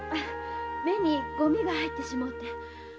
目にゴミが入ってしもうて。